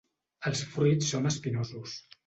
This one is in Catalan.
Els fruits són espinosos.